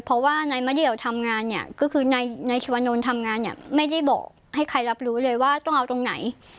เพราะว่านายมะเดี่ยวทำงานเนี่ยก็คือนายชวนนลทำงานเนี่ยไม่ได้บอกให้ใครรับรู้เลยว่าต้องเอาตรงไหน